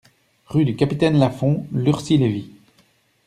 Rue du Capitaine Lafond, Lurcy-Lévis